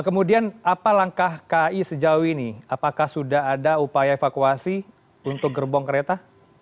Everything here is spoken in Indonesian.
kemudian apa langkah kai sejauh ini apakah sudah ada upaya evakuasi untuk gerbong kereta